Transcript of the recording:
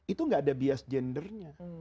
itu gak ada bias gendernya